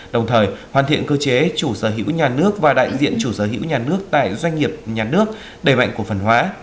đồng thời hoàn thiện cơ chế chủ sở hữu nhà nước và đại diện chủ sở hữu nhà nước tại doanh nghiệp nhà nước đẩy mạnh cổ phần hóa